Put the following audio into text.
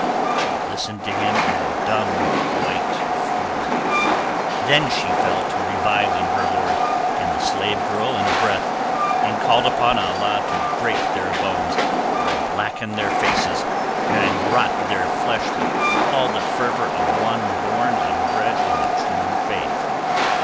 She listened to him in a dumb white fury. Then she fell to reviling her lord and the slave girl in a breath, and called upon Allah to break their bones and blacken their faces and rot their flesh with all the fervour of one born and bred in the True Faith.